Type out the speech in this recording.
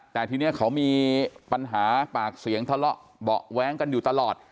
แต่ทีนี้เขามีปัญหาปากเสียงทะเลาะเบาะแว้งกันอยู่ตลอด